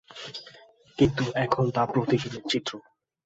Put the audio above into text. কিন্তু এখন তা প্রতিদিনের চিত্র।